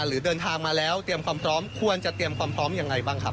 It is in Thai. หรือเดินทางมาแล้วเตรียมความพร้อมควรจะเตรียมความพร้อมยังไงบ้างครับ